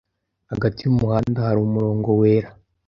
Hagati y'umuhanda hari umurongo wera.